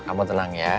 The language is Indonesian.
kamu tenang ya